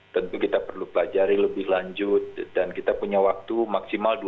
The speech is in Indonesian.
tentu kita perlu pelajari lebih lanjut dan kita punya waktu maksimal dua bulan